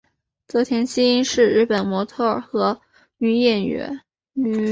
泽田汐音是日本模特儿和女演员。